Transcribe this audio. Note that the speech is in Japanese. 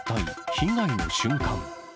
被害の瞬間。